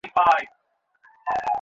কীসে সাপটার চামড়া ওভাবে ছিললো?